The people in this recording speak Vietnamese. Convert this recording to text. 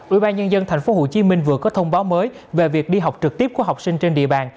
ủy ban nhân dân tp hcm vừa có thông báo mới về việc đi học trực tiếp của học sinh trên địa bàn